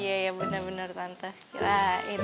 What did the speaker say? hai iya bener bener tante kirain